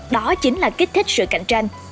đó chính là kích thích sự cạnh tranh